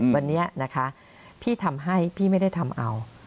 วันนี้นะคะพี่ทำให้พี่ไม่ได้ทำเอา